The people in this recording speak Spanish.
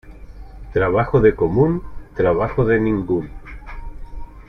Trabajo de común, trabajo de ningún.